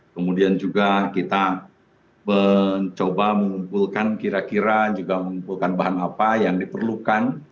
kemudian juga kita mencoba mengumpulkan kira kira juga mengumpulkan bahan apa yang diperlukan